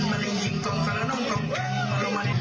มันจริงจริงกล่องสารน้องกล่องแกง